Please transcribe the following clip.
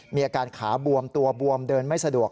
มีอาการขาบวมตัวบวมเดินไม่สะดวก